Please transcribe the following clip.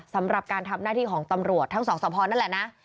สำหรับการทำหน้าที่ของตำรวจทั้งสองสะพอนั่นแหละนะ